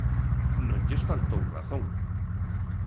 Non lles faltou razón.